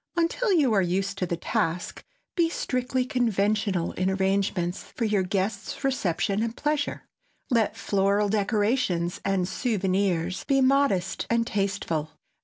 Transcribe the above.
Until you are used to the task, be strictly conventional in arrangements for your guests' reception and pleasure. Let floral decorations and "souvenirs" be modest and tasteful.